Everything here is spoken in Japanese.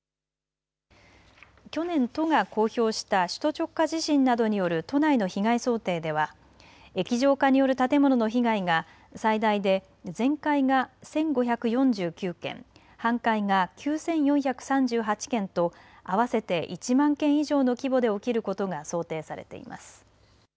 去年、都が公表した首都直下地震などによる都内の被害想定では液状化による建物の被害が最大で全壊が１５４９件、半壊が９４３８件と合わせて１万件以上の規模で起きることが想定されいます。